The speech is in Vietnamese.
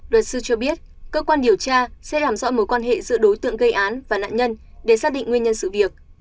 luật sư cho biết cơ quan điều tra sẽ làm rõ mối quan hệ giữa đối tượng gây án và nạn nhân để xác định nguyên nhân sự việc